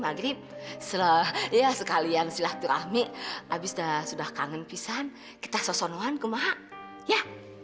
maghrib selalu ya sekalian silah tiramik abis dah sudah kangen pisan kita sosonohan ke maha ya